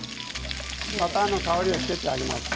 バターの香りをつけてあげます。